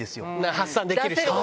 発散できる人はね。